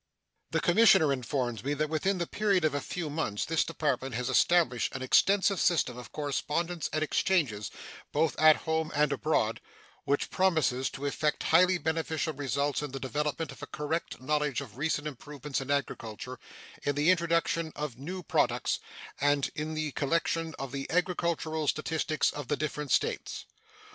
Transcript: The Commissioner informs me that within the period of a few months this Department has established an extensive system of correspondence and exchanges, both at home and abroad, which promises to effect highly beneficial results in the development of a correct knowledge of recent improvements in agriculture, in the introduction of new products, and in the collection of the agricultural statistics of the different States.